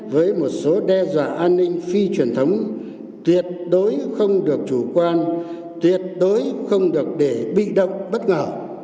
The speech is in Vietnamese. với một số đe dọa an ninh phi truyền thống tuyệt đối không được chủ quan tuyệt đối không được để bị động bất ngờ